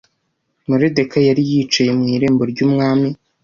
Moridekayi yari yicaye mu irembo ry’umwami